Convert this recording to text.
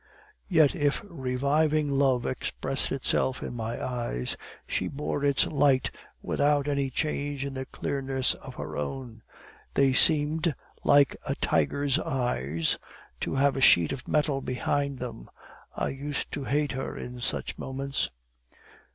Yet if reviving love expressed itself in my eyes, she bore its light without any change in the clearness of her own; they seemed, like a tiger's eyes, to have a sheet of metal behind them. I used to hate her in such moments.